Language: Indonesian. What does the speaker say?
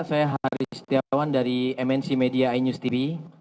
saya haris setiawan dari mnc media inews tv